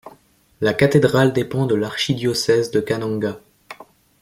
La cathédrale dépend de l'archidiocèse de Kananga.